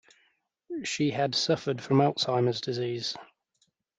She had suffered from Alzheimer's disease.